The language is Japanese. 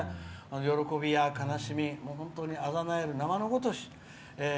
喜びや悲しみ、本当にあがなえる縄の如し。